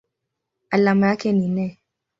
Alama yake ni Ne.